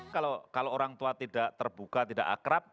kalau orang tua tidak terbuka tidak akrab